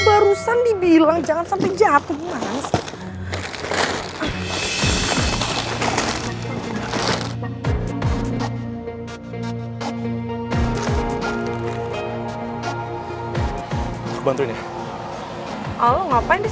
barusan dibilang jangan sampai jatuh